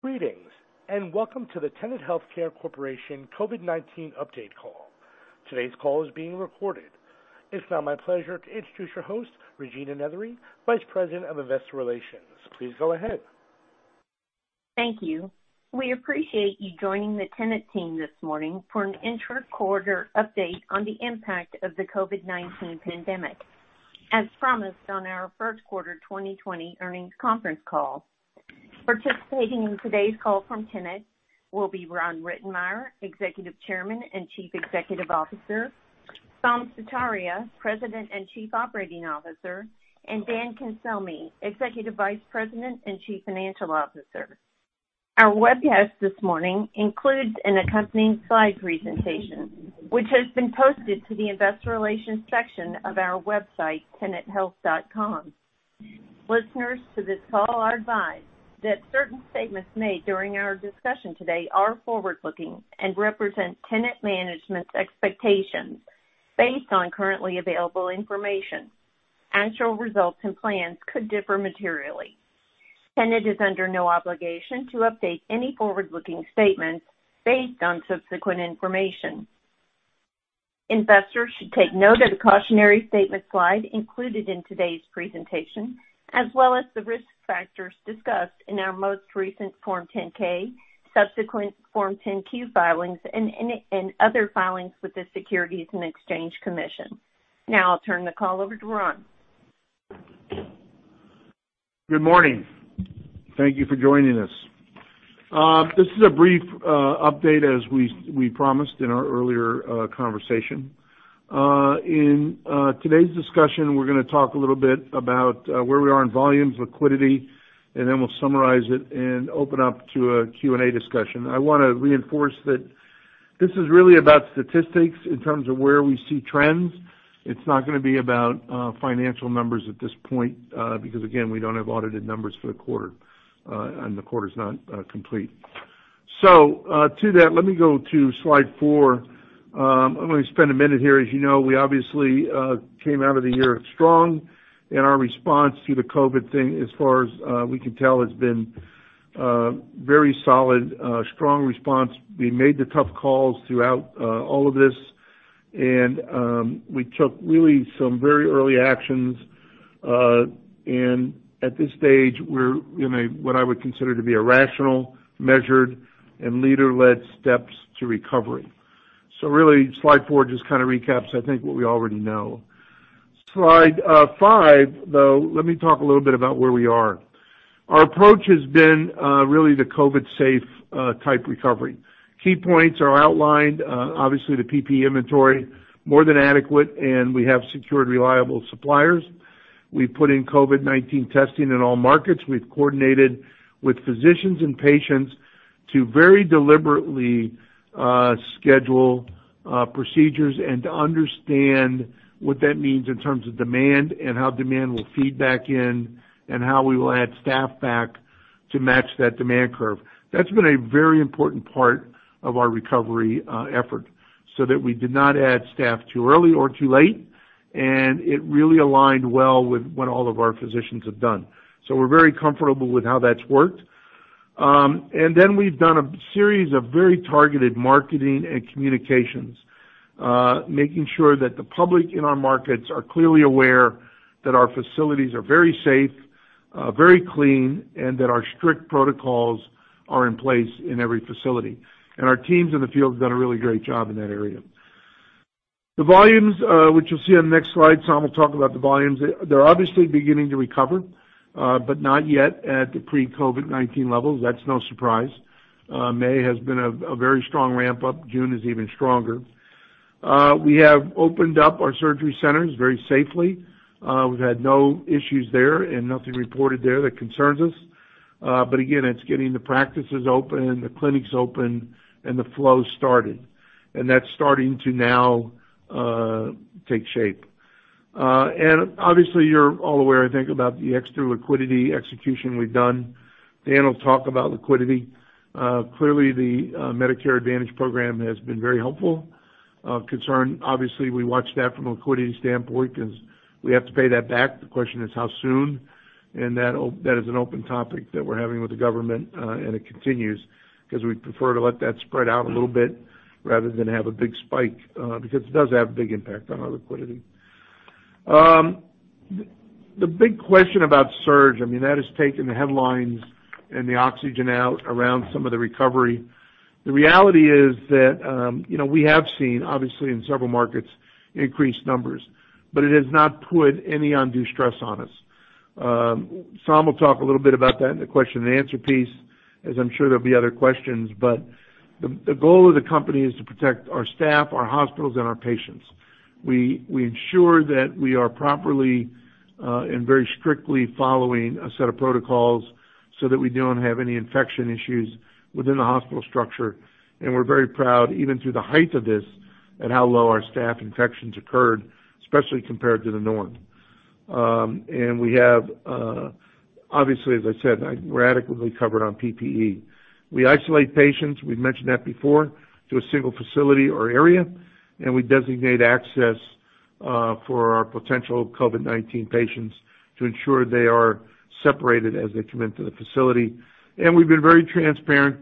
Greetings, welcome to the Tenet Healthcare Corporation COVID-19 update call. Today's call is being recorded. It's now my pleasure to introduce your host, Regina Nethery, Vice President of Investor Relations. Please go ahead. Thank you. We appreciate you joining the Tenet team this morning for an intra-quarter update on the impact of the COVID-19 pandemic, as promised on our first quarter 2020 earnings conference call. Participating in today's call from Tenet will be Ron Rittenmeyer, Executive Chairman and Chief Executive Officer, Saum Sutaria, President and Chief Operating Officer, and Dan Cancelmi, Executive Vice President and Chief Financial Officer. Our webcast this morning includes an accompanying slide presentation, which has been posted to the investor relations section of our website, tenethealth.com. Listeners to this call are advised that certain statements made during our discussion today are forward-looking and represent Tenet management's expectations based on currently available information. Actual results and plans could differ materially. Tenet is under no obligation to update any forward-looking statements based on subsequent information. Investors should take note of the cautionary statement slide included in today's presentation, as well as the risk factors discussed in our most recent Form 10-K, subsequent Form 10-Q filings, and other filings with the Securities and Exchange Commission. I'll turn the call over to Ron. Good morning. Thank you for joining us. This is a brief update, as we promised in our earlier conversation. In today's discussion, we're going to talk a little bit about where we are in volumes, liquidity, and then we'll summarize it and open up to a Q&A discussion. I want to reinforce that this is really about statistics in terms of where we see trends. It's not going to be about financial numbers at this point, because again, we don't have audited numbers for the quarter, and the quarter is not complete. To that, let me go to slide four. I'm going to spend a minute here. As you know, we obviously came out of the year strong, and our response to the COVID thing, as far as we can tell, has been very solid, a strong response. We made the tough calls throughout all of this, and we took really some very early actions. At this stage, we're in what I would consider to be a rational, measured, and leader-led steps to recovery. Really, slide four just kind of recaps, I think, what we already know. Slide five, though, let me talk a little bit about where we are. Our approach has been really the COVID safe type recovery. Key points are outlined. Obviously, the PPE inventory, more than adequate, and we have secured reliable suppliers. We've put in COVID-19 testing in all markets. We've coordinated with physicians and patients to very deliberately schedule procedures and to understand what that means in terms of demand and how demand will feed back in and how we will add staff back to match that demand curve. That's been a very important part of our recovery effort, that we did not add staff too early or too late, and it really aligned well with what all of our physicians have done. We're very comfortable with how that's worked. We've done a series of very targeted marketing and communications, making sure that the public in our markets are clearly aware that our facilities are very safe, very clean, and that our strict protocols are in place in every facility. Our teams in the field have done a really great job in that area. The volumes, which you'll see on the next slide, Saum will talk about the volumes. They're obviously beginning to recover, not yet at the pre-COVID-19 levels. That's no surprise. May has been a very strong ramp-up. June is even stronger. We have opened up our surgery centers very safely. We've had no issues there and nothing reported there that concerns us. Again, it's getting the practices open, the clinics open, and the flow started. That's starting to now take shape. Obviously, you're all aware, I think, about the extra liquidity execution we've done. Dan will talk about liquidity. Clearly, the Medicare Advance program has been very helpful. Of concern, obviously, we watch that from a liquidity standpoint because we have to pay that back. The question is how soon, and that is an open topic that we're having with the government, and it continues because we'd prefer to let that spread out a little bit rather than have a big spike because it does have a big impact on our liquidity. The big question about surge, I mean, that has taken the headlines and the oxygen out around some of the recovery. The reality is that we have seen, obviously in several markets, increased numbers, but it has not put any undue stress on us. Saum will talk a little bit about that in the question and answer piece, as I'm sure there'll be other questions. The goal of the company is to protect our staff, our hospitals, and our patients. We ensure that we are properly and very strictly following a set of protocols so that we don't have any infection issues within the hospital structure, and we're very proud, even through the height of this, at how low our staff infections occurred, especially compared to the norm. We have, obviously, as I said, we're adequately covered on PPE. We isolate patients, we've mentioned that before, to a single facility or area, and we designate access. For our potential COVID-19 patients to ensure they are separated as they come into the facility. We've been very transparent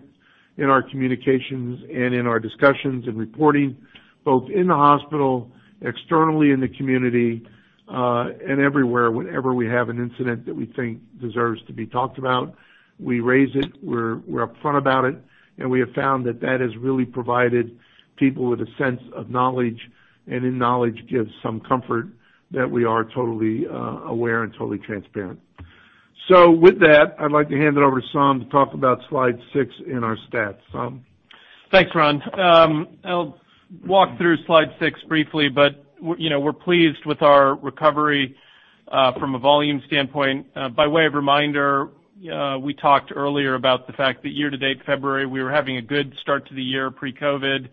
in our communications and in our discussions and reporting, both in the hospital, externally in the community, and everywhere. Whenever we have an incident that we think deserves to be talked about, we raise it, we're upfront about it, and we have found that has really provided people with a sense of knowledge, and knowledge gives some comfort that we are totally aware and totally transparent. With that, I'd like to hand it over to Saum to talk about slide six in our stats. Saum? Thanks, Ron. I'll walk through slide six briefly, but we're pleased with our recovery from a volume standpoint. By way of reminder, we talked earlier about the fact that year-to-date February, we were having a good start to the year pre-COVID.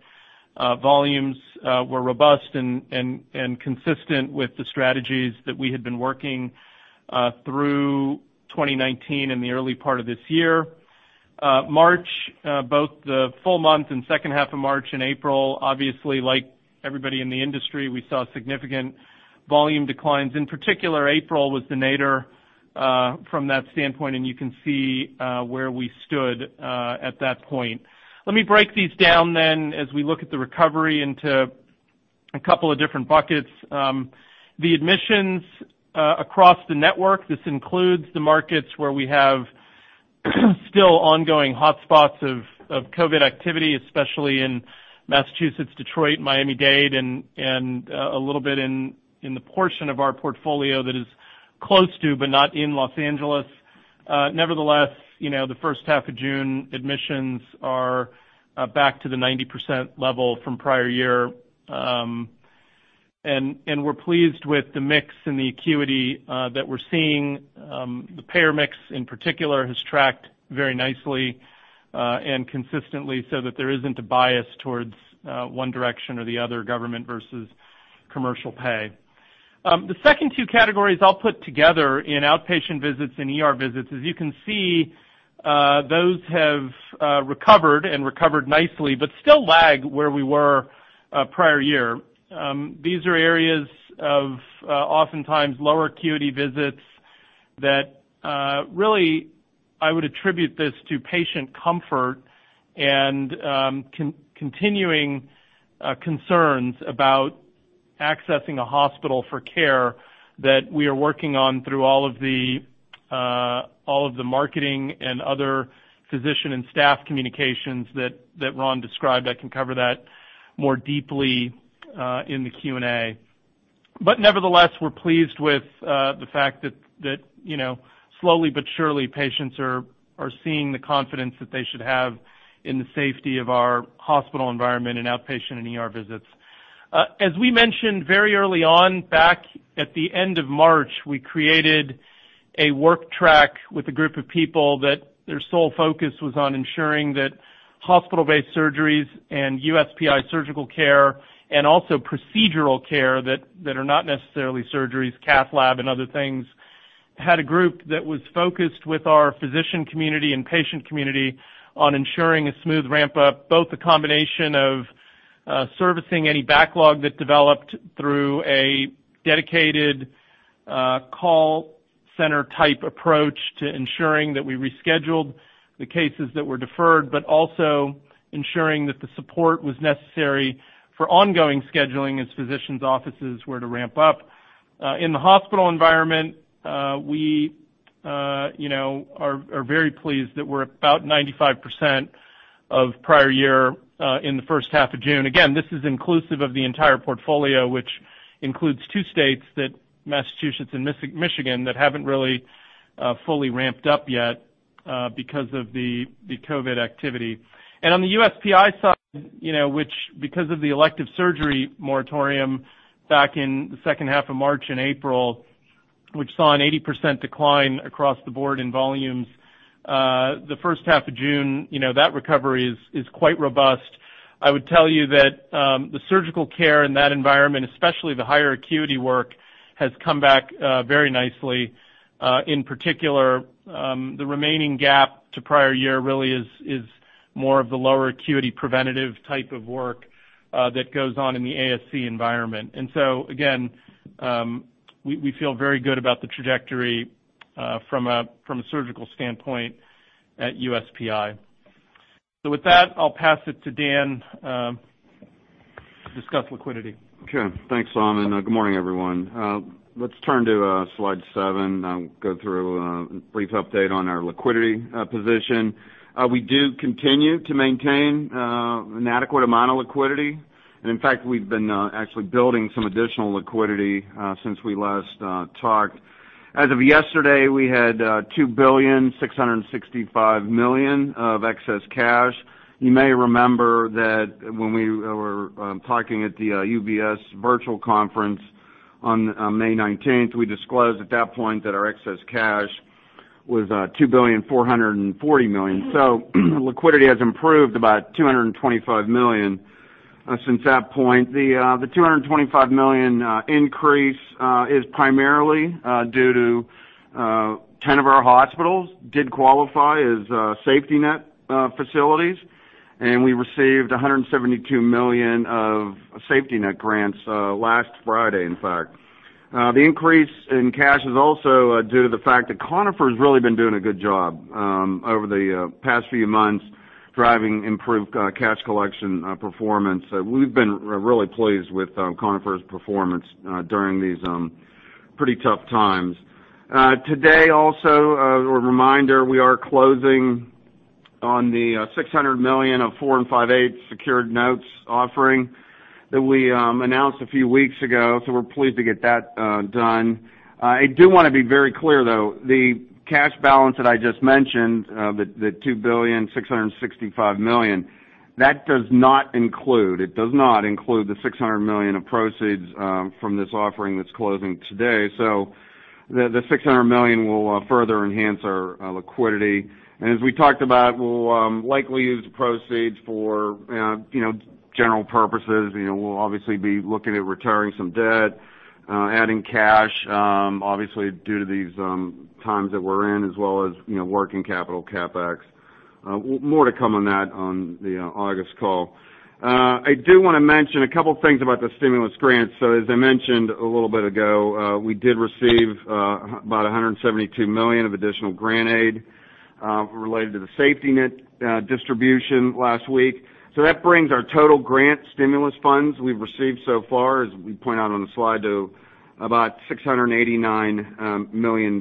Volumes were robust and consistent with the strategies that we had been working through 2019 and the early part of this year. March, both the full month and second half of March and April, obviously like everybody in the industry, we saw significant volume declines. In particular, April was the nadir from that standpoint, and you can see where we stood at that point. Let me break these down then, as we look at the recovery into a couple of different buckets. The admissions across the network, this includes the markets where we have still ongoing hotspots of COVID activity, especially in Massachusetts, Detroit, Miami-Dade, and a little bit in the portion of our portfolio that is close to, but not in Los Angeles. The first half of June, admissions are back to the 90% level from prior year. We're pleased with the mix and the acuity that we're seeing. The payer mix, in particular, has tracked very nicely and consistently so that there isn't a bias towards one direction or the other, government versus commercial pay. The second two categories I'll put together in outpatient visits and ER visits. As you can see, those have recovered and recovered nicely, but still lag where we were prior year. These are areas of oftentimes lower acuity visits that really I would attribute this to patient comfort and continuing concerns about accessing a hospital for care that we are working on through all of the marketing and other physician and staff communications that Ron described. I can cover that more deeply in the Q&A. Nevertheless, we're pleased with the fact that slowly but surely, patients are seeing the confidence that they should have in the safety of our hospital environment and outpatient and ER visits. As we mentioned very early on, back at the end of March, we created a work track with a group of people that their sole focus was on ensuring that hospital-based surgeries and USPI surgical care and also procedural care that are not necessarily surgeries, cath lab and other things, had a group that was focused with our physician community and patient community on ensuring a smooth ramp-up, both a combination of servicing any backlog that developed through a dedicated call center type approach to ensuring that we rescheduled the cases that were deferred. Also ensuring that the support was necessary for ongoing scheduling as physicians' offices were to ramp up. In the hospital environment, we are very pleased that we're about 95% of prior year in the first half of June. This is inclusive of the entire portfolio, which includes two states, Massachusetts and Michigan, that haven't really fully ramped up yet because of the COVID activity. On the USPI side, which because of the elective surgery moratorium back in the second half of March and April, which saw an 80% decline across the board in volumes, the first half of June, that recovery is quite robust. I would tell you that the surgical care in that environment, especially the higher acuity work, has come back very nicely. In particular, the remaining gap to prior year really is more of the lower acuity preventative type of work that goes on in the ASC environment. Again, we feel very good about the trajectory from a surgical standpoint at USPI. With that, I'll pass it to Dan to discuss liquidity. Okay. Thanks, Saum, and good morning, everyone. Let's turn to slide seven. I'll go through a brief update on our liquidity position. We do continue to maintain an adequate amount of liquidity. In fact, we've been actually building some additional liquidity since we last talked. As of yesterday, we had $2.665 billion of excess cash. You may remember that when we were talking at the UBS virtual conference on May 19th, we disclosed at that point that our excess cash was $2.44 billion. Liquidity has improved about $225 million since that point. The $225 million increase is primarily due to 10 of our hospitals did qualify as Safety-Net facilities. We received $172 million of Safety-Net grants last Friday, in fact. The increase in cash is also due to the fact that Conifer's really been doing a good job over the past few months, driving improved cash collection performance. We've been really pleased with Conifer's performance during these pretty tough times. Today also, a reminder, we are closing on the $600 million of 4.58 secured notes offering that we announced a few weeks ago. We're pleased to get that done. I do want to be very clear, though, the cash balance that I just mentioned, the $2,665 million, that does not include the $600 million of proceeds from this offering that's closing today. The $600 million will further enhance our liquidity. As we talked about, we'll likely use the proceeds for general purposes. We'll obviously be looking at retiring some debt, adding cash, obviously, due to these times that we're in, as well as working capital CapEx. More to come on that on the August call. I do want to mention a couple things about the stimulus grants. As I mentioned a little bit ago, we did receive about $172 million of additional grant aid related to the Safety-Net distribution last week. That brings our total grant stimulus funds we've received so far, as we point out on the slide, to about $689 million.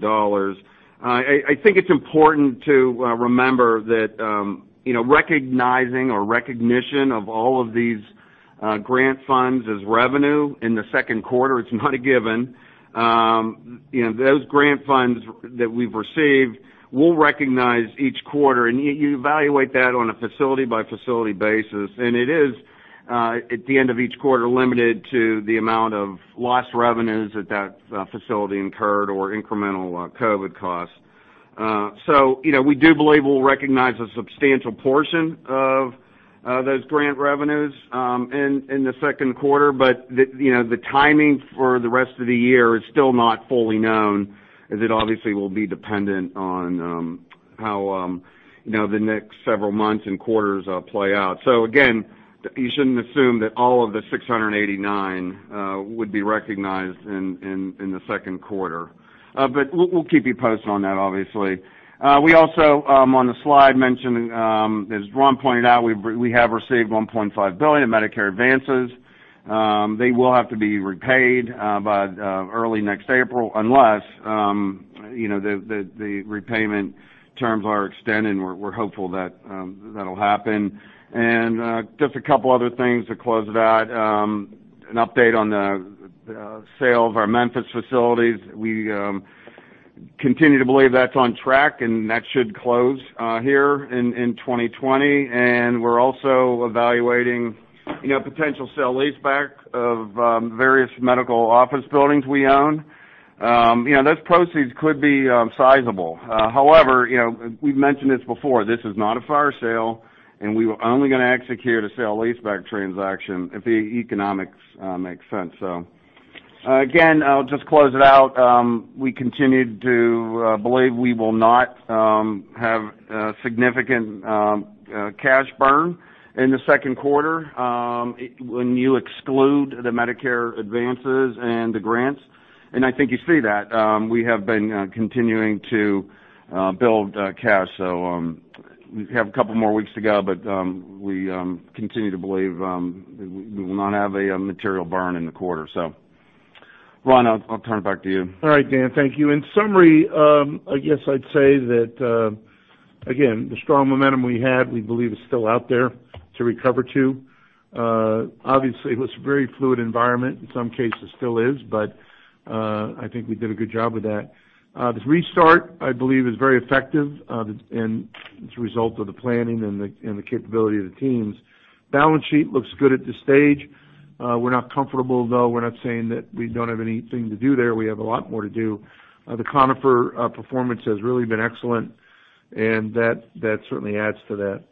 I think it's important to remember that recognizing or recognition of all of these grant funds as revenue in the second quarter, it's not a given. Those grant funds that we've received, we'll recognize each quarter, and you evaluate that on a facility-by-facility basis. It is, at the end of each quarter, limited to the amount of lost revenues that that facility incurred or incremental COVID costs. We do believe we'll recognize a substantial portion of those grant revenues in the second quarter, but the timing for the rest of the year is still not fully known, as it obviously will be dependent on how the next several months and quarters play out. Again, you shouldn't assume that all of the 689 would be recognized in the second quarter. We'll keep you posted on that, obviously. We also, on the slide, mentioned as Ron pointed out, we have received $1.5 billion in Medicare advances. They will have to be repaid by early next April, unless the repayment terms are extended, and we're hopeful that'll happen. Just a couple other things to close it out. An update on the sale of our Memphis facilities. We continue to believe that's on track, and that should close here in 2020. We're also evaluating potential sale-leaseback of various medical office buildings we own. Those proceeds could be sizable. However, we've mentioned this before, this is not a fire sale, and we are only going to execute a sale-leaseback transaction if the economics make sense. Again, I'll just close it out. We continue to believe we will not have significant cash burn in the second quarter when you exclude the Medicare advances and the grants. I think you see that. We have been continuing to build cash. We have a couple more weeks to go, but we continue to believe we will not have a material burn in the quarter. Ron, I'll turn it back to you. All right, Dan. Thank you. In summary, I guess I'd say that, again, the strong momentum we had, we believe is still out there to recover to. Obviously, it was a very fluid environment. In some cases, still is. I think we did a good job with that. The restart, I believe, is very effective, and it's a result of the planning and the capability of the teams. Balance sheet looks good at this stage. We're not comfortable, though. We're not saying that we don't have anything to do there. We have a lot more to do. The Conifer performance has really been excellent, and that certainly adds to that.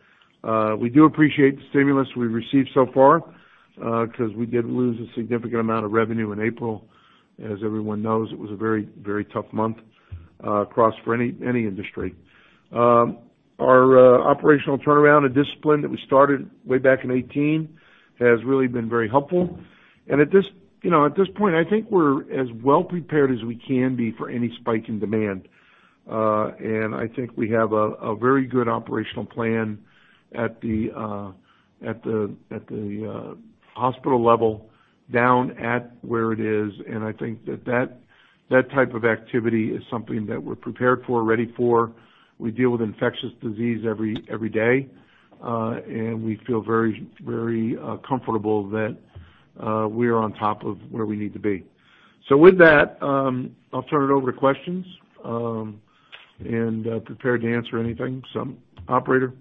We do appreciate the stimulus we've received so far, because we did lose a significant amount of revenue in April. As everyone knows, it was a very tough month across for any industry. Our operational turnaround and discipline that we started way back in 2018 has really been very helpful. At this point, I think we're as well prepared as we can be for any spike in demand. I think we have a very good operational plan at the hospital level down at where it is. I think that type of activity is something that we're prepared for, ready for. We deal with infectious disease every day. We feel very comfortable that we are on top of where we need to be. With that, I'll turn it over to questions, and prepared to answer anything. Operator.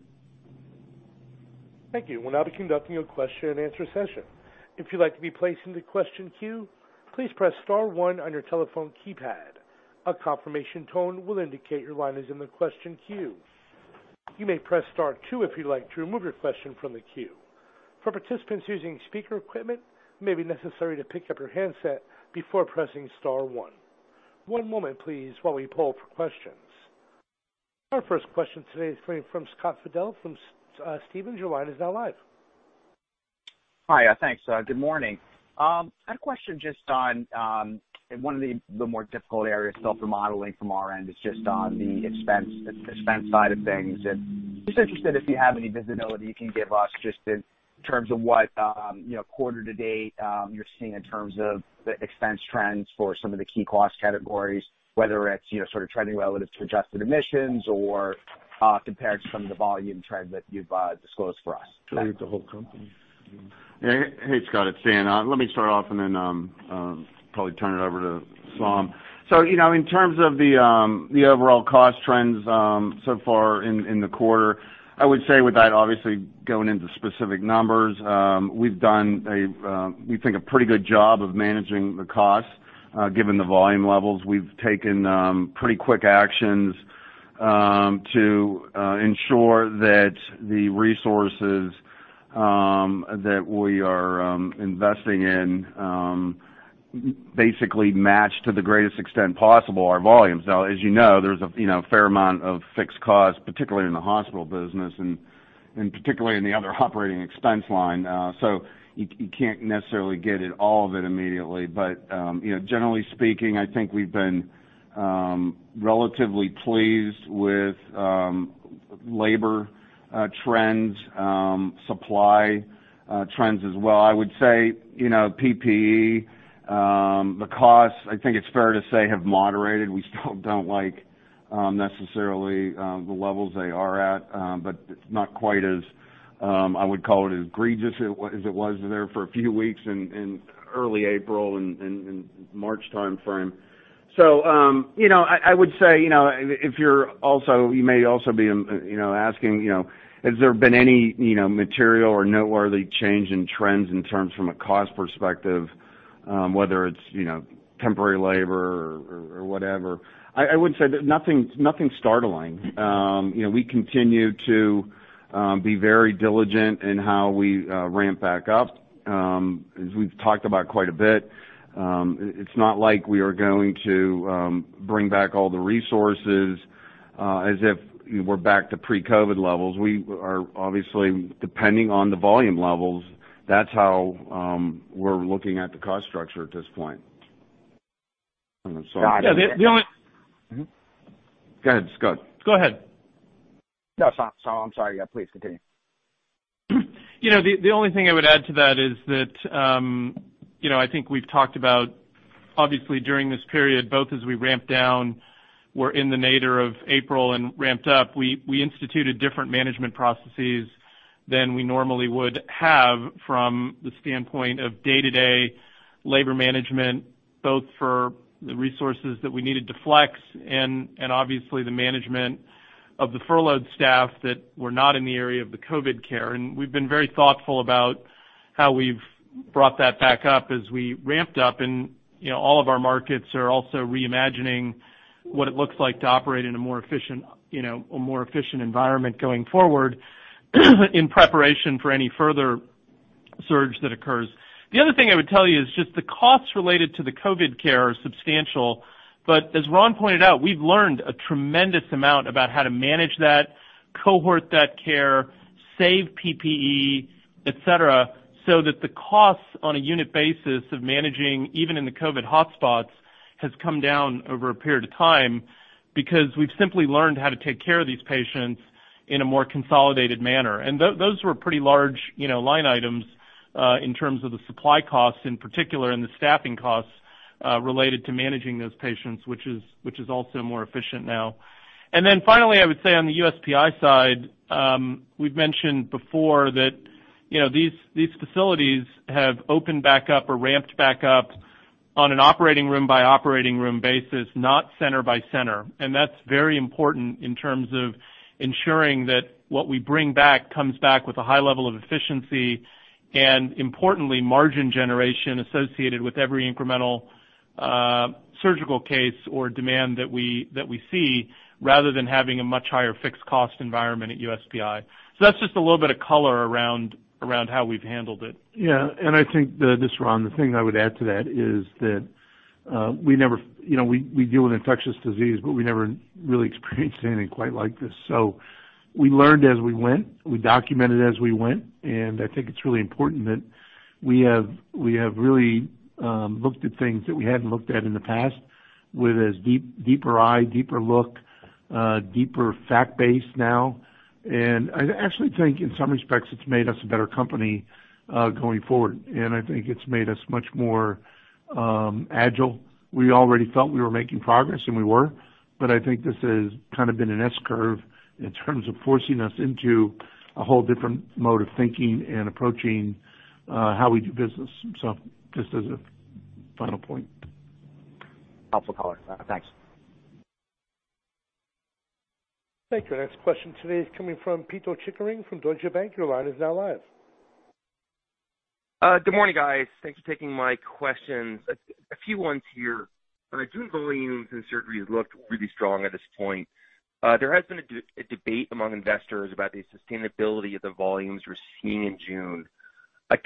Thank you. We'll now be conducting a question and answer session. If you'd like to be placed into question queue, please press star one on your telephone keypad. A confirmation tone will indicate your line is in the question queue. You may press star two if you'd like to remove your question from the queue. For participants using speaker equipment, it may be necessary to pick up your handset before pressing star one. One moment please, while we poll for questions. Our first question today is coming from Scott Fidel from Stephens. Your line is now live. Hi. Thanks. Good morning. I had a question just on one of the more difficult areas of remodeling from our end is just on the expense side of things. Just interested if you have any visibility you can give us just in terms of what quarter to date you're seeing in terms of the expense trends for some of the key cost categories, whether it's sort of trending relative to adjusted admissions or compared to some of the volume trend that you've disclosed for us. Thanks. You mean the whole company? Hey, Scott, it's Dan. Let me start off and then probably turn it over to Saum. In terms of the overall cost trends so far in the quarter, I would say with that, obviously going into specific numbers, we've done a, we think, a pretty good job of managing the cost, given the volume levels. We've taken pretty quick actions to ensure that the resources that we are investing in basically match to the greatest extent possible our volumes. As you know, there's a fair amount of fixed costs, particularly in the hospital business and particularly in the other operating expense line. You can't necessarily get all of it immediately. Generally speaking, I think we've been relatively pleased with labor trends, supply trends as well. I would say, PPE the costs, I think it's fair to say, have moderated. We still don't like necessarily the levels they are at, but it's not quite as, I would call it, egregious as it was there for a few weeks in early April and March timeframe. I would say, you may also be asking, has there been any material or noteworthy change in trends in terms from a cost perspective? Whether it's temporary labor or whatever. I would say nothing startling. We continue to be very diligent in how we ramp back up. As we've talked about quite a bit, it's not like we are going to bring back all the resources as if we're back to pre-COVID levels. We are obviously depending on the volume levels. That's how we're looking at the cost structure at this point. Saum- Scott- Yeah, the only- Go ahead, Scott. Go ahead. No, Saum. I'm sorry. Yeah, please continue. The only thing I would add to that is that I think we've talked about, obviously during this period, both as we ramped down, were in the nadir of April and ramped up, we instituted different management processes than we normally would have from the standpoint of day-to-day labor management, both for the resources that we needed to flex and obviously the management of the furloughed staff that were not in the area of the COVID care. We've been very thoughtful about how we've brought that back up as we ramped up. All of our markets are also reimagining what it looks like to operate in a more efficient environment going forward in preparation for any further surge that occurs. The other thing I would tell you is just the costs related to the COVID care are substantial, but as Ron pointed out, we've learned a tremendous amount about how to manage that, cohort that care, save PPE, et cetera, so that the costs on a unit basis of managing, even in the COVID hotspots, has come down over a period of time because we've simply learned how to take care of these patients in a more consolidated manner. Those were pretty large line items, in terms of the supply costs in particular, and the staffing costs, related to managing those patients, which is also more efficient now. Finally, I would say on the USPI side, we've mentioned before that these facilities have opened back up or ramped back up on an operating room by operating room basis, not center by center. That's very important in terms of ensuring that what we bring back comes back with a high level of efficiency and importantly, margin generation associated with every incremental surgical case or demand that we see, rather than having a much higher fixed cost environment at USPI. That's just a little bit of color around how we've handled it. Yeah. I think, this is Ron, the thing that I would add to that is that we deal with infectious disease, but we never really experienced anything quite like this. We learned as we went, we documented as we went, and I think it's really important that we have really looked at things that we hadn't looked at in the past with as deeper eye, deeper look, deeper fact base now. I actually think in some respects, it's made us a better company going forward, and I think it's made us much more agile. We already felt we were making progress, and we were, but I think this has kind of been an S-curve in terms of forcing us into a whole different mode of thinking and approaching how we do business. Just as a final point. Helpful color. Thanks. Thank you. Next question today is coming from Pito Chickering from Deutsche Bank. Your line is now live. Good morning, guys. Thanks for taking my questions. A few ones here. June volumes and surgeries looked really strong at this point. There has been a debate among investors about the sustainability of the volumes we're seeing in June.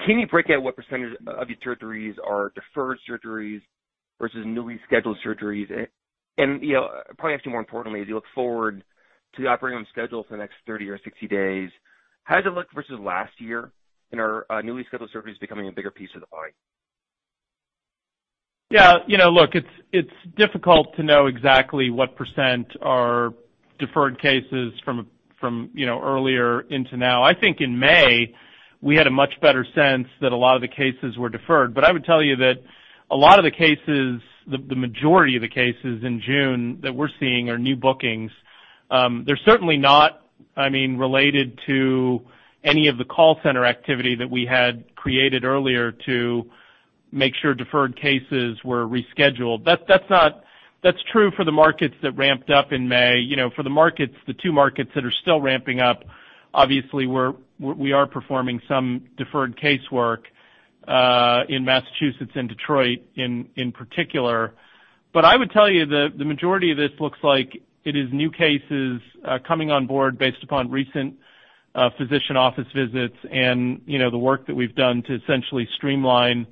Can you break out what percentage of your surgeries are deferred surgeries versus newly scheduled surgeries? Probably actually more importantly, as you look forward to the operating on schedule for the next 30 or 60 days, how does it look versus last year? Are newly scheduled surgeries becoming a bigger piece of the pie? Yeah. Look, it's difficult to know exactly what percent are deferred cases from earlier into now. I think in May, we had a much better sense that a lot of the cases were deferred. I would tell you that a lot of the cases, the majority of the cases in June that we're seeing are new bookings. They're certainly not related to any of the call center activity that we had created earlier to make sure deferred cases were rescheduled. That's true for the markets that ramped up in May. For the two markets that are still ramping up, obviously, we are performing some deferred casework, in Massachusetts and Detroit in particular. I would tell you that the majority of this looks like it is new cases coming on board based upon recent physician office visits and the work that we've done to essentially streamline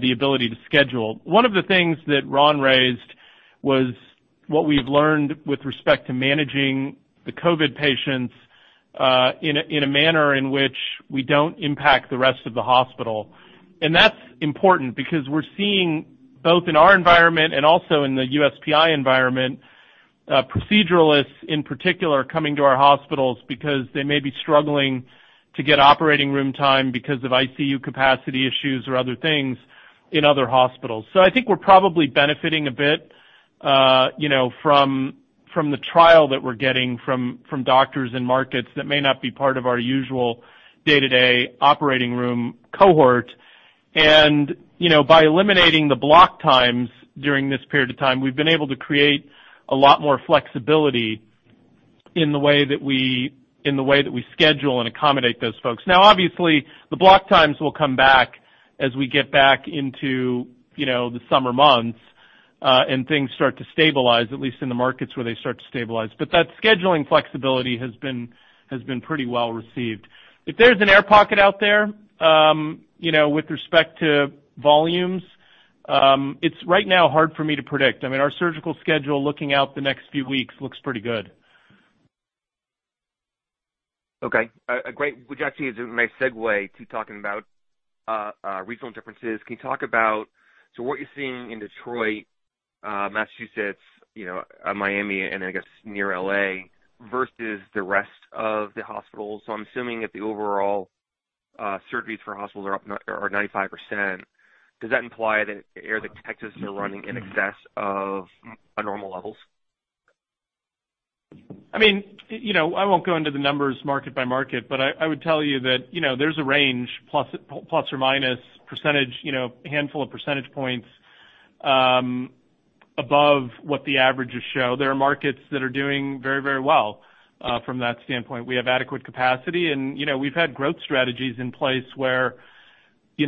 the ability to schedule. One of the things that Ron raised was what we've learned with respect to managing the COVID patients, in a manner in which we don't impact the rest of the hospital. That's important because we're seeing both in our environment and also in the USPI environment, proceduralists, in particular, coming to our hospitals because they may be struggling to get operating room time because of ICU capacity issues or other things in other hospitals. I think we're probably benefiting a bit from the trial that we're getting from doctors and markets that may not be part of our usual day-to-day operating room cohort. By eliminating the block times during this period of time, we've been able to create a lot more flexibility in the way that we schedule and accommodate those folks. Now, obviously, the block times will come back as we get back into the summer months, and things start to stabilize, at least in the markets where they start to stabilize. That scheduling flexibility has been pretty well-received. If there's an air pocket out there, with respect to volumes, it's right now hard for me to predict. Our surgical schedule looking out the next few weeks looks pretty good. Okay. Great. Which actually is a nice segue to talking about regional differences. Can you talk about, so what you're seeing in Detroit, Massachusetts, Miami, and I guess near L.A. versus the rest of the hospitals? I'm assuming that the overall surgeries for hospitals are up or 95%. Does that imply that areas like Texas are running in excess of normal levels? I won't go into the numbers market by market, but I would tell you that there's a range, plus or minus a handful of percentage points, above what the averages show. There are markets that are doing very well from that standpoint. We have adequate capacity, and we've had growth strategies in place where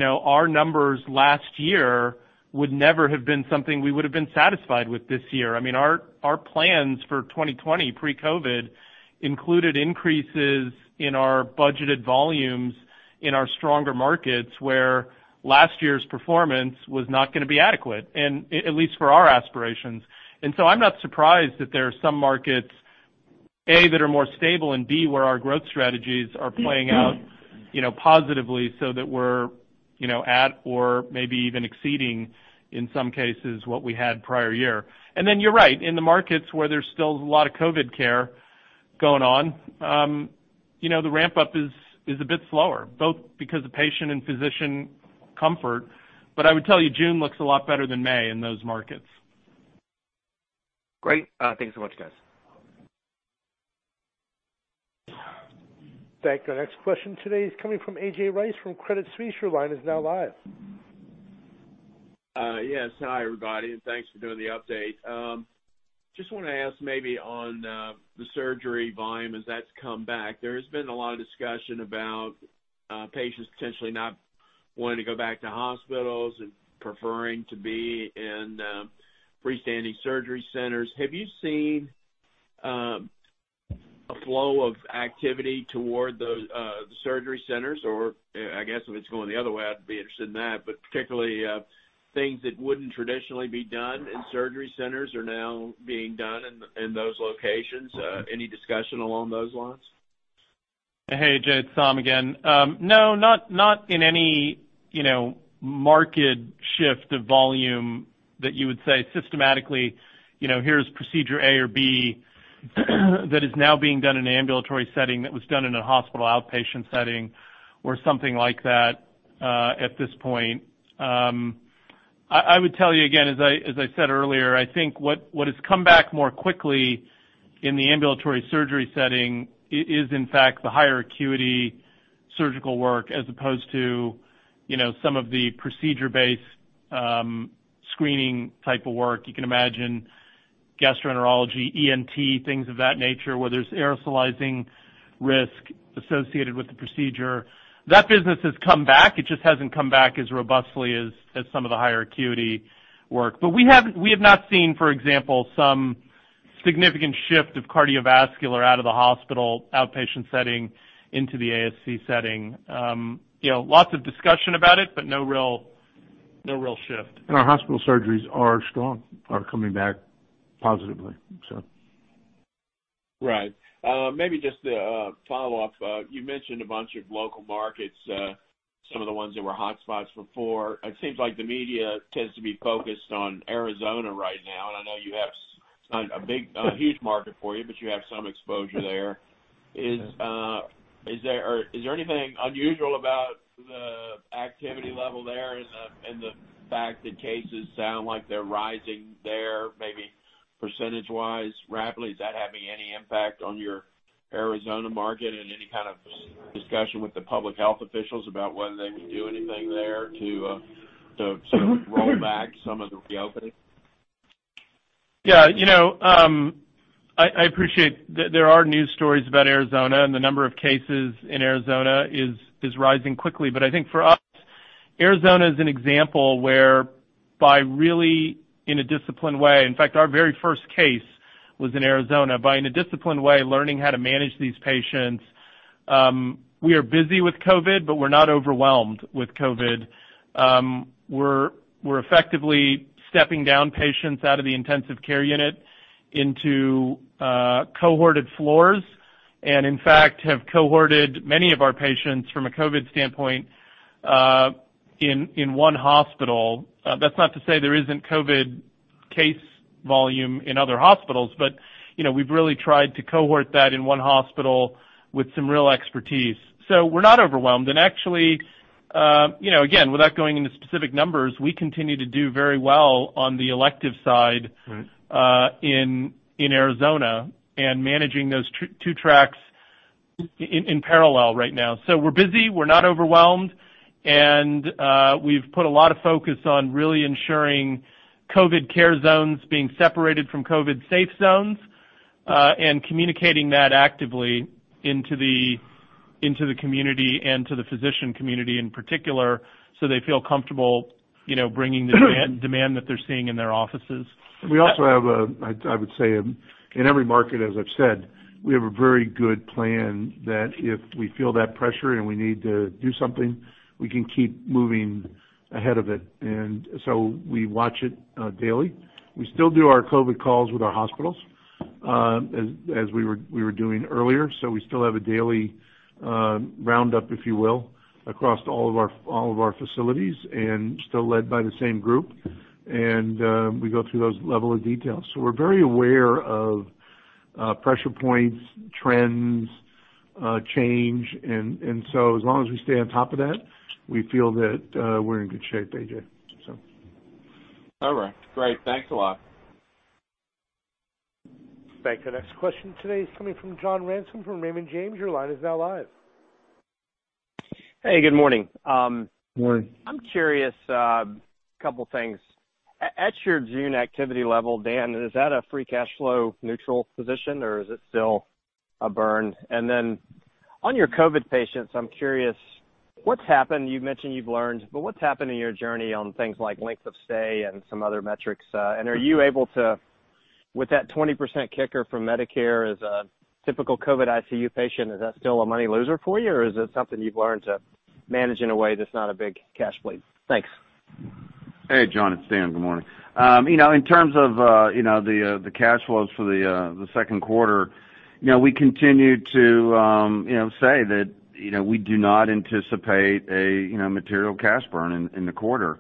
our numbers last year would never have been something we would have been satisfied with this year. Our plans for 2020 pre-COVID included increases in our budgeted volumes in our stronger markets, where last year's performance was not going to be adequate, at least for our aspirations. I'm not surprised that there are some markets, A, that are more stable, and B, where our growth strategies are playing out positively so that we're at or maybe even exceeding, in some cases, what we had prior year. You're right, in the markets where there's still a lot of COVID care going on, the ramp-up is a bit slower, both because of patient and physician comfort. I would tell you, June looks a lot better than May in those markets. Great. Thanks so much, guys. Thank you. Our next question today is coming from A.J. Rice from Credit Suisse. Your line is now live. Yes. Hi, everybody, and thanks for doing the update. Just wanted to ask maybe on the surgery volume as that's come back. There has been a lot of discussion about patients potentially not wanting to go back to hospitals and preferring to be in freestanding surgery centers. Have you seen a flow of activity toward the surgery centers? I guess if it's going the other way, I'd be interested in that, but particularly, things that wouldn't traditionally be done in surgery centers are now being done in those locations. Any discussion along those lines? Hey, A.J., it's Saum again. No, not in any marked shift of volume that you would say systematically, here's procedure A or B that is now being done in an ambulatory setting that was done in a hospital outpatient setting or something like that at this point. I would tell you again, as I said earlier, I think what has come back more quickly in the ambulatory surgery setting is, in fact, the higher acuity surgical work as opposed to some of the procedure-based screening type of work. You can imagine gastroenterology, ENT, things of that nature, where there's aerosolizing risk associated with the procedure. That business has come back. It just hasn't come back as robustly as some of the higher acuity work. We have not seen, for example, significant shift of cardiovascular out of the hospital, outpatient setting into the ASC setting. Lots of discussion about it, but no real shift. Our hospital surgeries are strong, are coming back positively. Right. Maybe just to follow up. You mentioned a bunch of local markets, some of the ones that were hotspots before. It seems like the media tends to be focused on Arizona right now, and I know it's not a huge market for you, but you have some exposure there. Yeah. Is there anything unusual about the activity level there and the fact that cases sound like they're rising there, maybe percentage-wise rapidly? Is that having any impact on your Arizona market and any kind of discussion with the public health officials about whether they can do anything there to roll back some of the reopening? Yeah. I appreciate there are news stories about Arizona, and the number of cases in Arizona is rising quickly. I think for us, Arizona is an example where by really in a disciplined way, in fact, our very first case was in Arizona, by in a disciplined way, learning how to manage these patients. We are busy with COVID, but we're not overwhelmed with COVID. We're effectively stepping down patients out of the intensive care unit into cohorted floors, and in fact, have cohorted many of our patients from a COVID standpoint, in one hospital. That's not to say there isn't COVID case volume in other hospitals, but we've really tried to cohort that in one hospital with some real expertise. We're not overwhelmed. Actually, again, without going into specific numbers, we continue to do very well on the elective side. Right. in Arizona and managing those two tracks in parallel right now. We're busy, we're not overwhelmed, and we've put a lot of focus on really ensuring COVID care zones being separated from COVID safe zones, and communicating that actively into the community and to the physician community, in particular, so they feel comfortable bringing demand that they're seeing in their offices. We also have, I would say, in every market, as I've said, we have a very good plan that if we feel that pressure and we need to do something, we can keep moving ahead of it. We watch it daily. We still do our COVID calls with our hospitals, as we were doing earlier. We still have a daily roundup, if you will, across all of our facilities, and still led by the same group. We go through those level of details. We're very aware of pressure points, trends, change. As long as we stay on top of that, we feel that we're in good shape, A.J. All right. Great. Thanks a lot. Thank you. Next question today is coming from John Ransom from Raymond James. Your line is now live. Hey, good morning. Morning. I'm curious, a couple things. At your June activity level, Dan, is that a free cash flow neutral position or is it still a burn? On your COVID patients, I'm curious what's happened. You've mentioned you've learned, but what's happened in your journey on things like length of stay and some other metrics? Are you able to, with that 20% kicker from Medicare as a typical COVID ICU patient, is that still a money loser for you, or is it something you've learned to manage in a way that's not a big cash bleed? Thanks. Hey, John, it's Dan. Good morning. In terms of the cash flows for the second quarter, we continue to say that we do not anticipate a material cash burn in the quarter.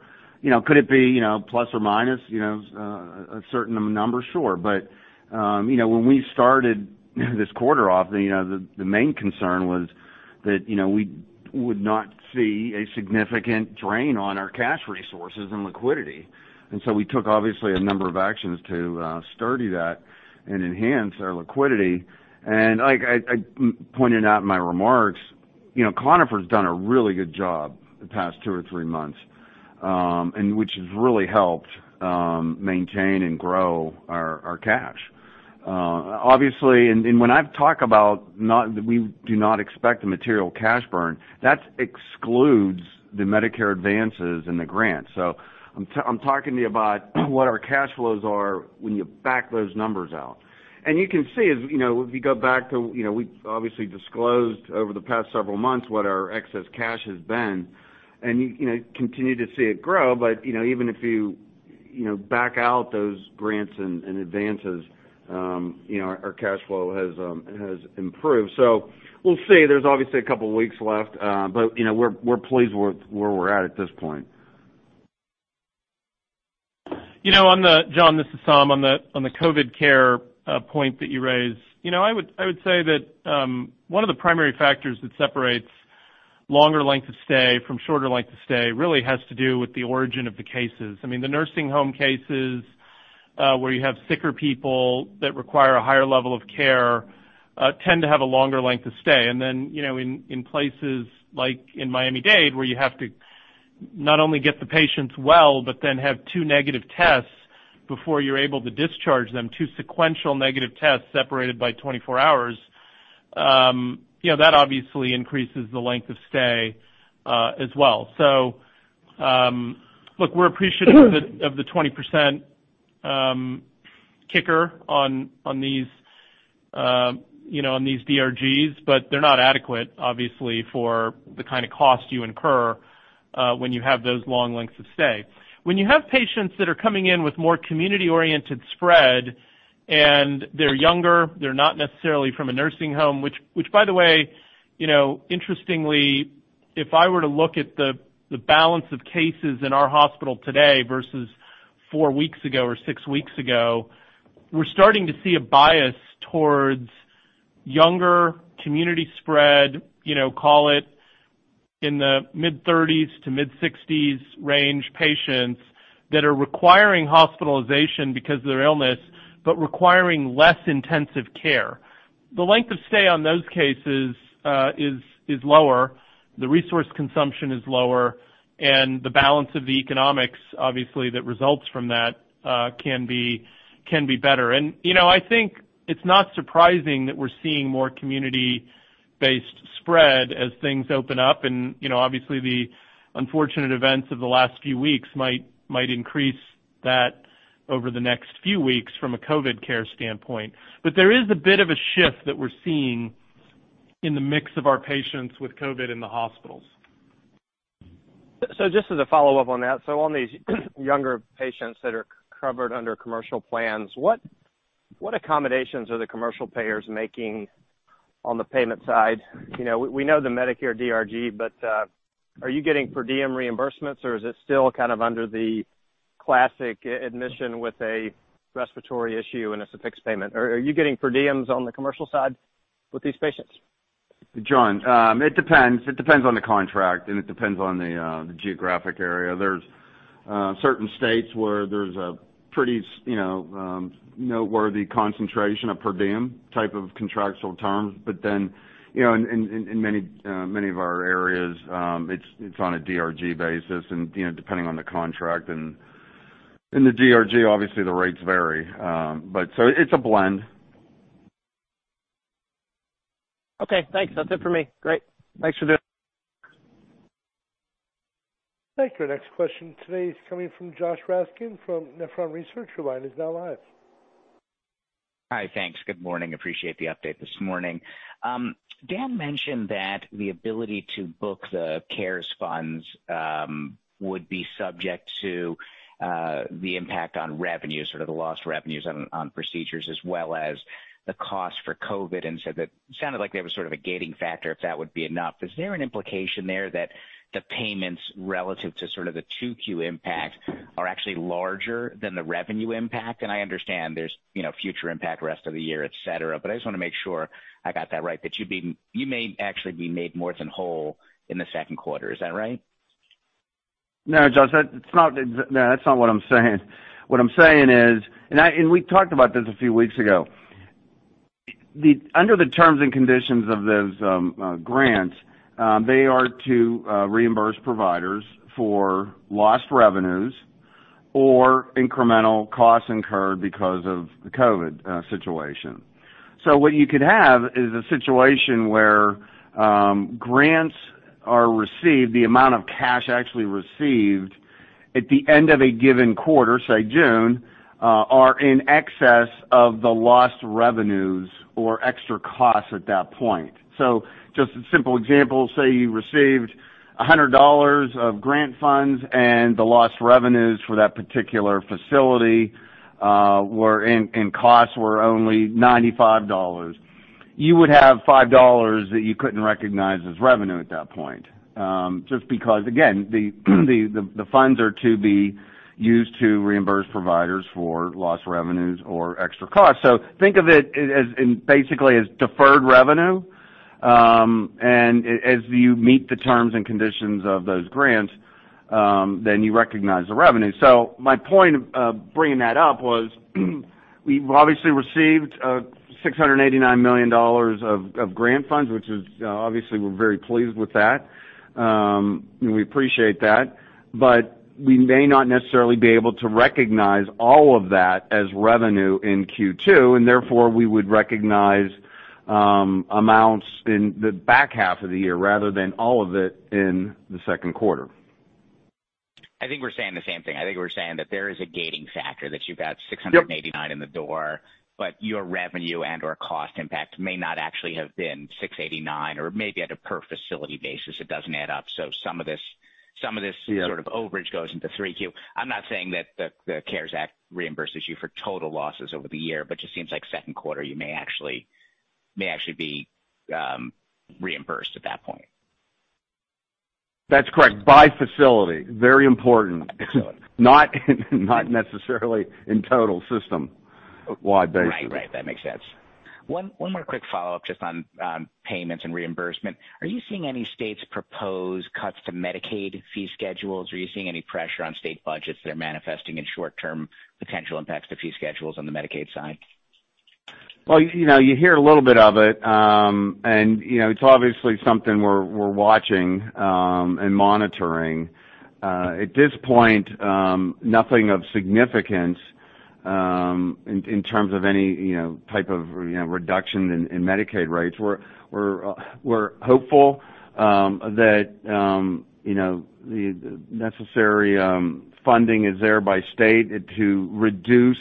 Could it be plus or minus a certain number? Sure. When we started this quarter off, the main concern was that we would not see a significant drain on our cash resources and liquidity. We took, obviously, a number of actions to sturdy that and enhance our liquidity. Like I pointed out in my remarks, Conifer's done a really good job the past two or three months, and which has really helped maintain and grow our cash. Obviously, and when I talk about we do not expect a material cash burn, that excludes the Medicare advances and the grants. I'm talking to you about what our cash flows are when you back those numbers out. You can see We obviously disclosed over the past several months what our excess cash has been, and you continue to see it grow, but even if you back out those grants and advances, our cash flow has improved. We'll see. There's obviously a couple of weeks left, but we're pleased with where we're at at this point. John, this is Saum. On the COVID care point that you raised, I would say that one of the primary factors that separates longer length of stay from shorter length of stay really has to do with the origin of the cases. I mean, the nursing home cases, where you have sicker people that require a higher level of care, tend to have a longer length of stay. In places like in Miami-Dade, where you have to not only get the patients well, but then have two negative tests before you're able to discharge them, two sequential negative tests separated by 24 hours, that obviously increases the length of stay as well. Look, we're appreciative of the 20% kicker on these DRGs, but they're not adequate, obviously, for the kind of cost you incur when you have those long lengths of stay. When you have patients that are coming in with more community-oriented spread, and they're younger, they're not necessarily from a nursing home, which by the way, interestingly, if I were to look at the balance of cases in our hospital today versus four weeks ago or six weeks ago, we're starting to see a bias towards younger community spread, call it in the mid-30s to mid-60s range patients that are requiring hospitalization because of their illness, but requiring less intensive care. The length of stay on those cases is lower, the resource consumption is lower, and the balance of the economics, obviously, that results from that can be better. I think it's not surprising that we're seeing more community-based spread as things open up, and obviously the unfortunate events of the last few weeks might increase that over the next few weeks from a COVID care standpoint. There is a bit of a shift that we're seeing in the mix of our patients with COVID in the hospitals. Just as a follow-up on that, so on these younger patients that are covered under commercial plans, what accommodations are the commercial payers making on the payment side? We know the Medicare DRG, but are you getting per diem reimbursements, or is it still kind of under the classic admission with a respiratory issue and a suffix payment? Are you getting per diems on the commercial side with these patients? John, it depends. It depends on the contract, and it depends on the geographic area. There's certain states where there's a pretty noteworthy concentration of per diem type of contractual terms. In many of our areas, it's on a DRG basis and depending on the contract. The DRG, obviously, the rates vary. It's a blend. Okay, thanks. That's it for me. Great. Thanks for doing this. Thank you. Our next question today is coming from Josh Raskin from Nephron Research. Your line is now live. Hi, thanks. Good morning. Appreciate the update this morning. Dan mentioned that the ability to book the CARES funds would be subject to the impact on revenues, sort of the lost revenues on procedures, as well as the cost for COVID, that sounded like there was sort of a gating factor if that would be enough. Is there an implication there that the payments relative to sort of the 2Q impact are actually larger than the revenue impact? I understand there's future impact rest of the year, et cetera, but I just want to make sure I got that right, that you may actually be made more than whole in the second quarter. Is that right? No, Josh, that's not what I'm saying. What I'm saying is, and we talked about this a few weeks ago. Under the terms and conditions of those grants, they are to reimburse providers for lost revenues or incremental costs incurred because of the COVID situation. What you could have is a situation where grants are received, the amount of cash actually received at the end of a given quarter, say June, are in excess of the lost revenues or extra costs at that point. Just a simple example, say you received $100 of grant funds and the lost revenues for that particular facility and costs were only $95. You would have $5 that you couldn't recognize as revenue at that point, just because, again, the funds are to be used to reimburse providers for lost revenues or extra costs. Think of it basically as deferred revenue, and as you meet the terms and conditions of those grants, then you recognize the revenue. My point of bringing that up was we've obviously received $689 million of grant funds, which is, obviously, we're very pleased with that. We appreciate that. We may not necessarily be able to recognize all of that as revenue in Q2, and therefore we would recognize amounts in the back half of the year rather than all of it in the second quarter. I think we're saying the same thing. I think we're saying that there is a gating factor, that you've got $689 in the door, but your revenue and/or cost impact may not actually have been $689, or maybe at a per facility basis, it doesn't add up. Yeah. Sort of overage goes into 3Q. I'm not saying that the CARES Act reimburses you for total losses over the year, but just seems like second quarter, you may actually be reimbursed at that point. That's correct. By facility. Very important. By facility. Not necessarily in total system wide basis. Right. That makes sense. One more quick follow-up just on payments and reimbursement. Are you seeing any states propose cuts to Medicaid fee schedules? Are you seeing any pressure on state budgets that are manifesting in short-term potential impacts to fee schedules on the Medicaid side? Well, you hear a little bit of it. It's obviously something we're watching and monitoring. At this point, nothing of significance in terms of any type of reduction in Medicaid rates, we're hopeful that the necessary funding is there by state to reduce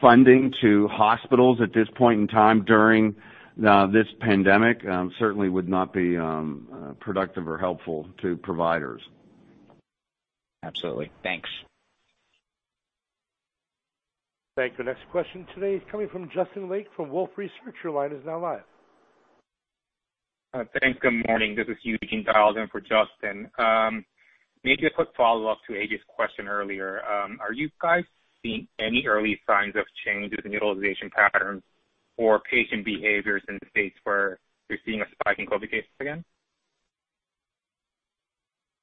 funding to hospitals at this point in time during this pandemic. Certainly would not be productive or helpful to providers. Absolutely. Thanks. Thank you. The next question today is coming from Justin Lake from Wolfe Research. Your line is now live. Thanks. Good morning. This is Eugene dialing in for Justin. Maybe a quick follow-up to A.J.'s question earlier. Are you guys seeing any early signs of changes in utilization patterns or patient behaviors in the states where you're seeing a spike in COVID cases again?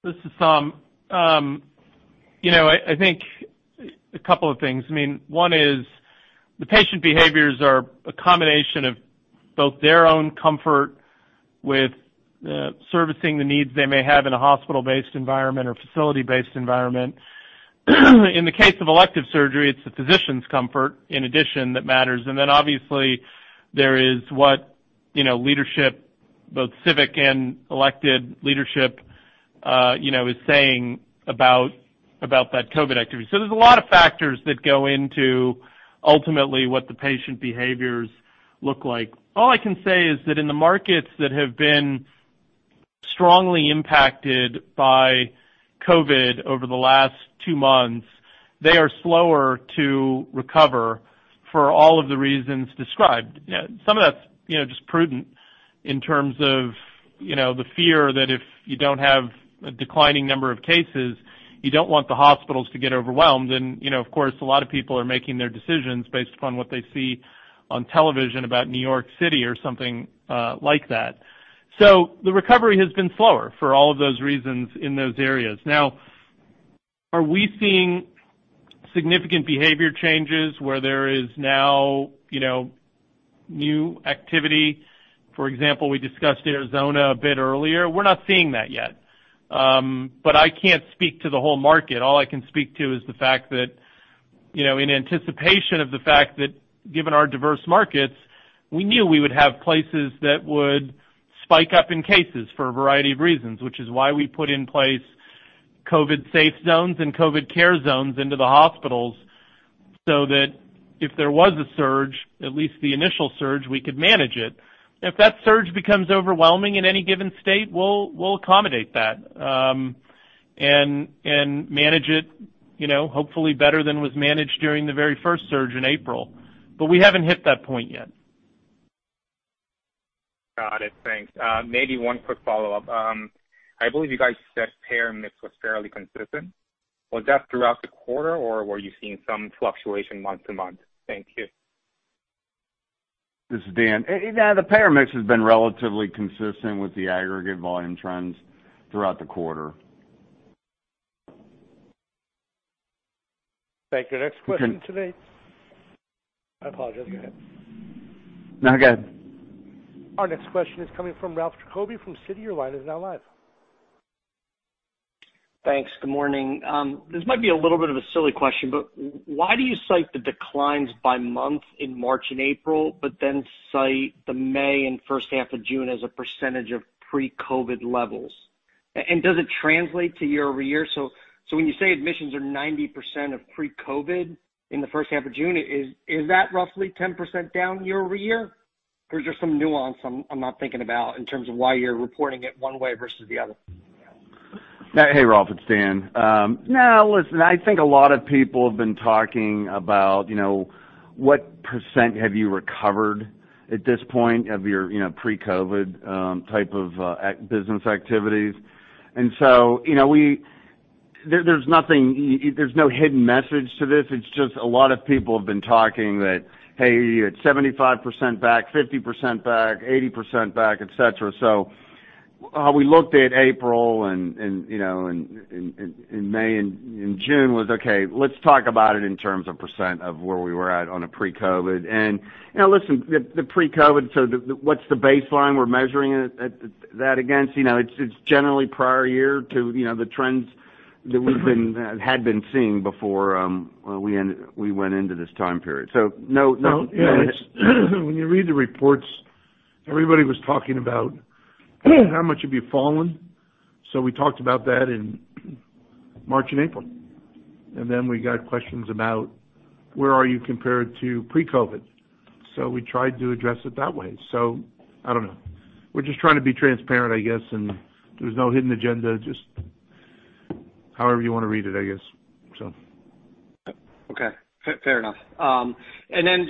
This is Saum. I think a couple of things. One is the patient behaviors are a combination of both their own comfort with servicing the needs they may have in a hospital-based environment or facility-based environment. In the case of elective surgery, it's the physician's comfort in addition that matters, and then obviously there is what leadership, both civic and elected leadership, is saying about that COVID activity. There's a lot of factors that go into ultimately what the patient behaviors look like. All I can say is that in the markets that have been strongly impacted by COVID over the last two months, they are slower to recover for all of the reasons described. Some of that's just prudent in terms of the fear that if you don't have a declining number of cases, you don't want the hospitals to get overwhelmed. Of course, a lot of people are making their decisions based upon what they see on television about New York City or something like that. The recovery has been slower for all of those reasons in those areas. Now, are we seeing significant behavior changes where there is now new activity? For example, we discussed Arizona a bit earlier. We're not seeing that yet. I can't speak to the whole market. All I can speak to is the fact that, in anticipation of the fact that given our diverse markets, we knew we would have places that would spike up in cases for a variety of reasons, which is why we put in place COVID safe zones and COVID care zones into the hospitals, so that if there was a surge, at least the initial surge, we could manage it. If that surge becomes overwhelming in any given state, we'll accommodate that, and manage it hopefully better than was managed during the very first surge in April. We haven't hit that point yet. Got it. Thanks. Maybe one quick follow-up. I believe you guys said payer mix was fairly consistent. Was that throughout the quarter, or were you seeing some fluctuation month to month? Thank you. This is Dan. The payer mix has been relatively consistent with the aggregate volume trends throughout the quarter. Thank you. Next question today, I apologize, go ahead. No, go ahead. Our next question is coming from Ralph Giacobbe from Citi. Your line is now live. Thanks. Good morning. This might be a little bit of a silly question, but why do you cite the declines by month in March and April, but then cite the May and first half of June as a percentage of pre-COVID levels? Does it translate to year-over-year? When you say admissions are 90% of pre-COVID in the first half of June, is that roughly 10% down year-over-year? Is there some nuance I'm not thinking about in terms of why you're reporting it one way versus the other? Hey, Ralph, it's Dan. No, listen, I think a lot of people have been talking about what % have you recovered at this point of your pre-COVID type of business activities. There's no hidden message to this. It's just a lot of people have been talking that, "Hey, are you at 75% back, 50% back, 80% back?" et cetera. We looked at April and May and June was, okay, let's talk about it in terms of % of where we were at on a pre-COVID. Listen, the pre-COVID, so what's the baseline we're measuring that against? It's generally prior year to the trends that we had been seeing before we went into this time period. No- When you read the reports, everybody was talking about how much have you fallen. We talked about that in March and April. We got questions about where are you compared to pre-COVID. We tried to address it that way. I don't know. We're just trying to be transparent, I guess, and there's no hidden agenda, just however you want to read it, I guess. Okay. Fair enough.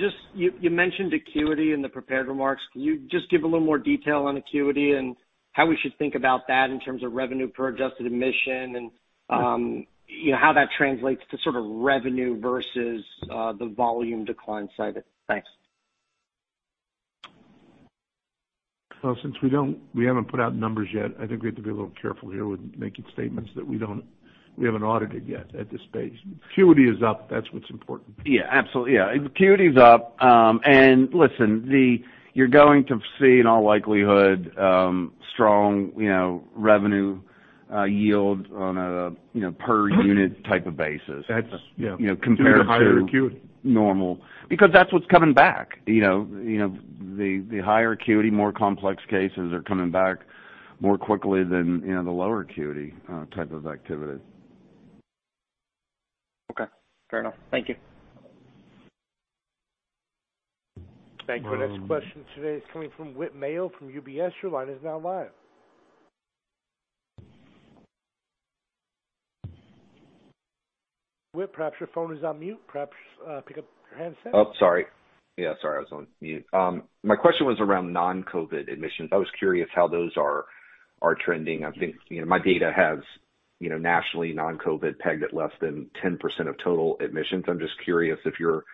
Just, you mentioned acuity in the prepared remarks. Can you just give a little more detail on acuity and how we should think about that in terms of revenue per adjusted admission and how that translates to sort of revenue versus the volume decline side of it? Thanks. Well, since we haven't put out numbers yet, I think we have to be a little careful here with making statements that we haven't audited yet at this stage. Acuity is up. That's what's important. Yeah, absolutely. Acuity is up. Listen, you're going to see, in all likelihood, strong revenue yield on a per unit type of basis. That's, yeah. Compared to- The higher acuity. ...normal, because that's what's coming back. The higher acuity, more complex cases are coming back more quickly than the lower acuity type of activity. Okay, fair enough. Thank you. Thank you. Our next question today is coming from Whit Mayo from UBS. Your line is now live. Whit, perhaps your phone is on mute. Perhaps pick up your handset. Oh, sorry. Yeah, sorry, I was on mute. My question was around non-COVID admissions. I was curious how those are trending. I think my data has nationally non-COVID pegged at less than 10% of total admissions. I'm just curious if your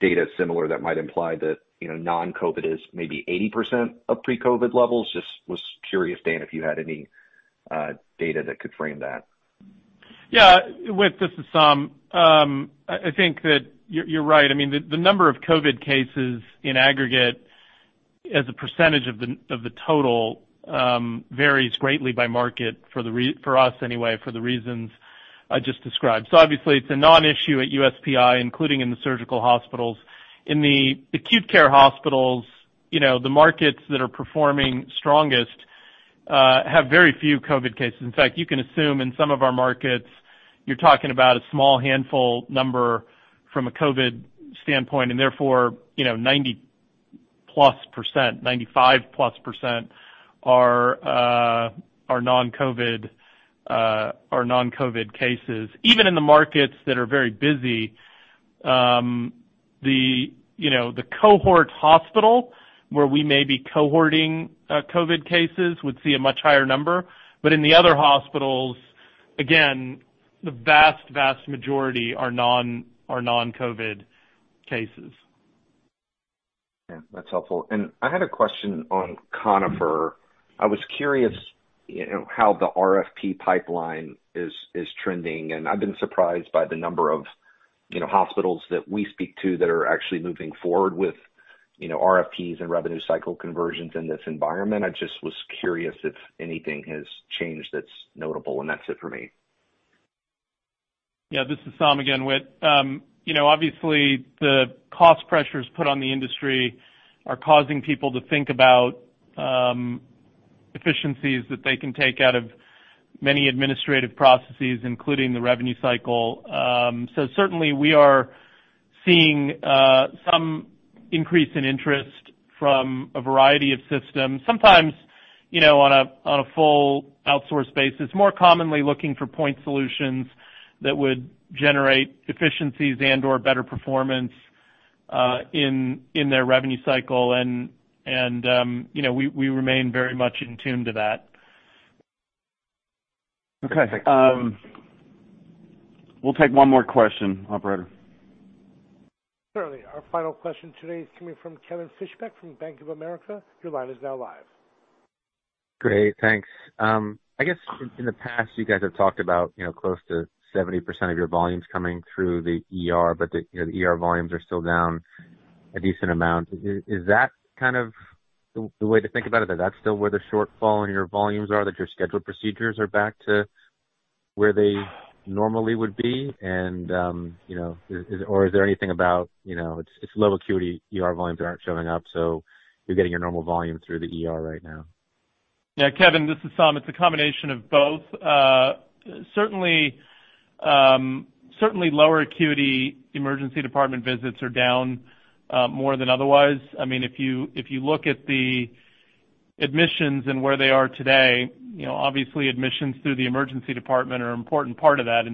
data is similar, that might imply that non-COVID is maybe 80% of pre-COVID levels. Just was curious, Dan, if you had any data that could frame that. Yeah. Whit, this is Saum. I mean, I think that you're right. The number of COVID cases in aggregate as a % of the total varies greatly by market, for us anyway, for the reasons I just described. Obviously, it's a non-issue at USPI, including in the surgical hospitals. In the acute care hospitals, the markets that are performing strongest have very few COVID cases. In fact, you can assume in some of our markets, you're talking about a small handful number from a COVID standpoint, and therefore, 90%+, 95%+ are non-COVID cases. Even in the markets that are very busy, the cohort hospital, where we may be cohorting COVID cases, would see a much higher number. In the other hospitals, again, the vast majority are non-COVID cases. Yeah, that's helpful. I had a question on Conifer. I was curious how the RFP pipeline is trending, and I've been surprised by the number of hospitals that we speak to that are actually moving forward with RFPs and revenue cycle conversions in this environment. I just was curious if anything has changed that's notable, and that's it for me. Yeah, this is Saum again, Whit. Obviously, the cost pressures put on the industry are causing people to think about efficiencies that they can take out of many administrative processes, including the revenue cycle. Certainly, we are seeing some increase in interest from a variety of systems. Sometimes, on a full outsource basis, more commonly looking for point solutions that would generate efficiencies and/or better performance in their revenue cycle. We remain very much in tune to that. Okay. We'll take one more question, operator. Certainly. Our final question today is coming from Kevin Fischbeck from Bank of America. Your line is now live. Great, thanks. I guess in the past, you guys have talked about close to 70% of your volumes coming through the ER. The ER volumes are still down a decent amount. Is that the way to think about it? That's still where the shortfall in your volumes are, that your scheduled procedures are back to where they normally would be? Is there anything about, it's low acuity ER volumes that aren't showing up, so you're getting your normal volume through the ER right now? Kevin, this is Saum. It's a combination of both. Certainly, lower acuity emergency department visits are down more than otherwise. If you look at the admissions and where they are today, obviously admissions through the emergency department are an important part of that.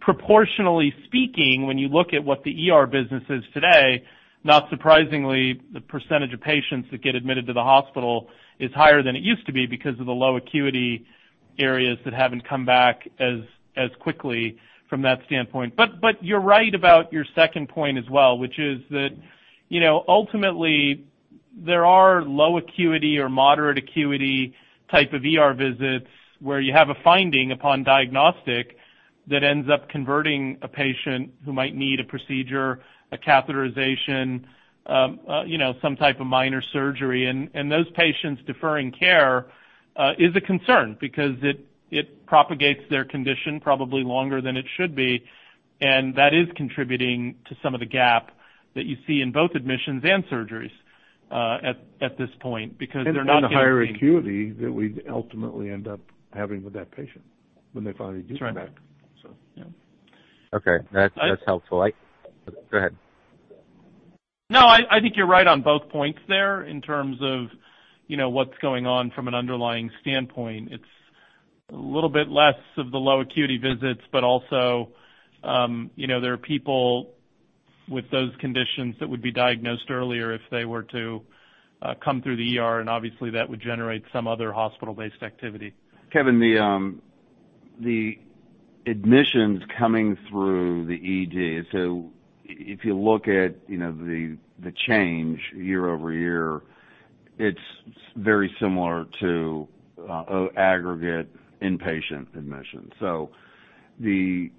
Proportionally speaking, when you look at what the ER business is today, not surprisingly, the percentage of patients that get admitted to the hospital is higher than it used to be because of the low acuity areas that haven't come back as quickly from that standpoint. You're right about your second point as well, which is that ultimately there are low acuity or moderate acuity type of ER visits where you have a finding upon diagnostic that ends up converting a patient who might need a procedure, a catheterization, some type of minor surgery. Those patients deferring care is a concern because it propagates their condition probably longer than it should be, and that is contributing to some of the gap that you see in both admissions and surgeries at this point, because they're not getting- The higher acuity that we'd ultimately end up having with that patient when they finally do come back. That's right. Yeah. Okay. That's helpful. Go ahead. No, I think you're right on both points there in terms of what's going on from an underlying standpoint. It's a little bit less of the low acuity visits, also, there are people with those conditions that would be diagnosed earlier if they were to come through the ER, and obviously that would generate some other hospital-based activity. Kevin, the admissions coming through the ED. If you look at the change year-over-year, it's very similar to aggregate inpatient admissions. We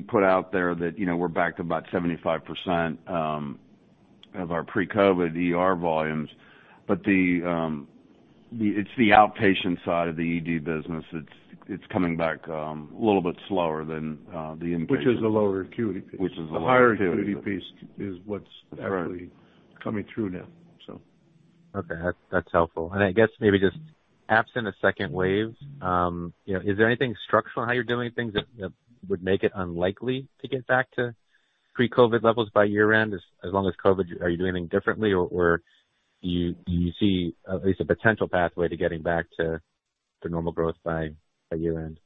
put out there that we're back to about 75% of our pre-COVID ER volumes. It's the outpatient side of the ED business, it's coming back a little bit slower than the inpatient- Which is the lower acuity piece. Which is the lower acuity. The higher acuity piece is what's. Right. Actually coming through now. Okay. That's helpful. I guess maybe just absent a second wave, is there anything structural in how you're doing things that would make it unlikely to get back to pre-COVID levels by year-end? Are you doing anything differently, or you see at least a potential pathway to getting back to normal growth by year-end?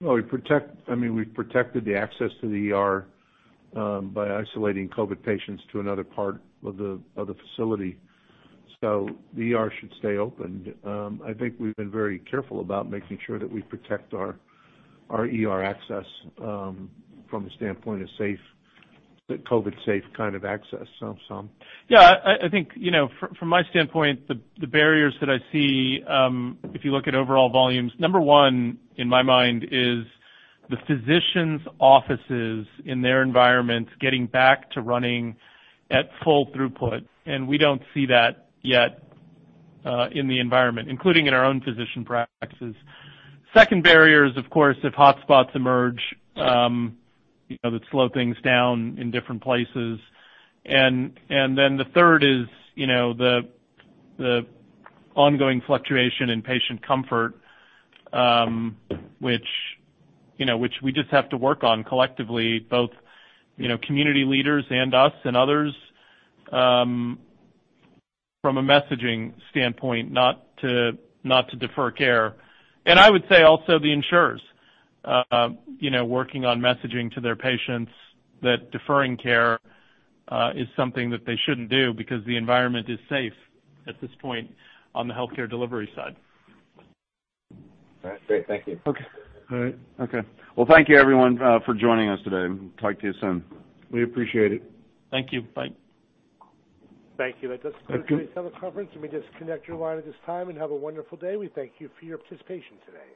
We protected the access to the ER by isolating COVID patients to another part of the facility. The ER should stay open. I think we've been very careful about making sure that we protect our ER access, from a standpoint of COVID safe kind of access. Yeah, I think, from my standpoint, the barriers that I see, if you look at overall volumes, number one, in my mind, is the physicians' offices in their environments getting back to running at full throughput. We don't see that yet, in the environment, including in our own physician practices. Second barrier is, of course, if hotspots emerge that slow things down in different places. The third is the ongoing fluctuation in patient comfort, which we just have to work on collectively, both community leaders and us and others, from a messaging standpoint, not to defer care. I would say also the insurers working on messaging to their patients that deferring care is something that they shouldn't do because the environment is safe at this point on the healthcare delivery side. All right. Great. Thank you. Okay. All right. Well, thank you everyone for joining us today. Talk to you soon. We appreciate it. Thank you. Bye. Thank you. That does conclude today's teleconference. You may disconnect your line at this time, and have a wonderful day. We thank you for your participation today.